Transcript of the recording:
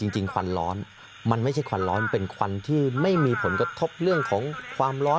ควันร้อนมันไม่ใช่ควันร้อนเป็นควันที่ไม่มีผลกระทบเรื่องของความร้อน